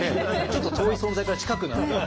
ちょっと遠い存在から近くなった。